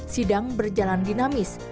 sedang berjalan dinamis